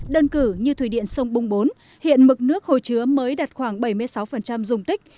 đơn cử như thủy điện sông bung bốn hiện mực nước hồi chứa mới đạt khoảng bảy mươi sáu dùng tích